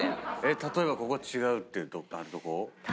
例えばここ違うっていうとこどこ？